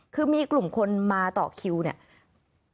คือมีกลุ่มคนมาต่อคิวเนี่ย